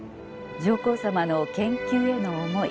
上皇さまの研究への思い